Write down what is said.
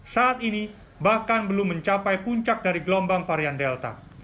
saat ini bahkan belum mencapai puncak dari gelombang varian delta